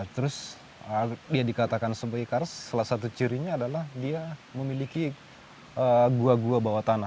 terus dia dikatakan sebagai kars salah satu cirinya adalah dia memiliki gua gua bawah tanah